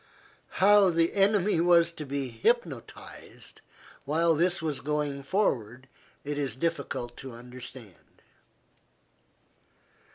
How the enemy was to be hypnotized while this was going forward it is difficult to understand.